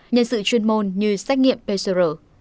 nhân sự chuyên môn như xét nghiệm pcr